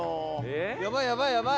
やばいやばいやばい！